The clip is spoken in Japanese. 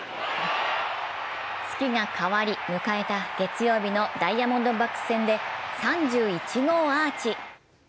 月が変わり迎えた月曜日のダイヤモンドバックス戦で３１号アーチ。